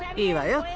いいわよ。